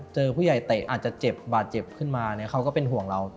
เจอผู้ใหญ่เตะอาจจะเจ็บบาดเจ็บขึ้นมาเขาก็เป็นห่วงเรา